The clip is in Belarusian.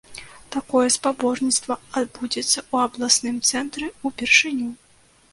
Такое спаборніцтва адбудзецца ў абласным цэнтры ўпершыню.